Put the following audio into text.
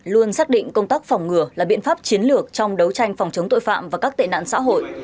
luôn xác định công tác phòng ngừa là biện pháp chiến lược trong đấu tranh phòng chống tội phạm và các tệ nạn xã hội